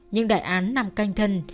nhưng đại án nằm canh thân